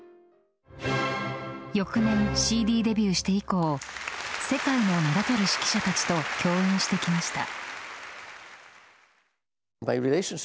翌年、ＣＤデビューして以降世界の名だたる指揮者たちと共演してきました。